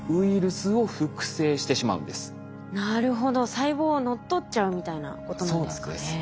細胞を乗っ取っちゃうみたいなことなんですかね。